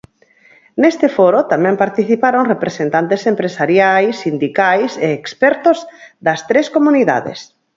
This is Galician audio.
Neste foro tamén participaron representantes empresariais, sindicais e expertos das tres comunidades.